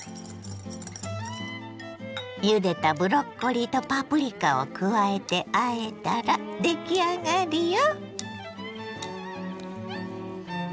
ゆでたブロッコリーとパプリカを加えてあえたら出来上がりよ。